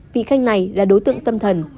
vị khanh này là đối tượng tâm thần